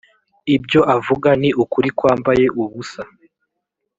ibyo avuga ni ukuri kwambaye ubusa